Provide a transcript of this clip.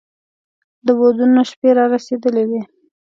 د ودونو شپې را رسېدلې وې.